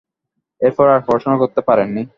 এরপর আর পড়াশোনা করতে পারেননি।